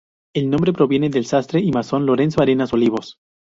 El nombre proviene del sastre y masón Lorenzo Arenas Olivos.